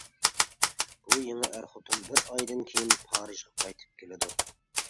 بۇ يېڭى ئەر-خوتۇن بىر ئايدىن كېيىن پارىژغا قايتىپ كېلىدۇ.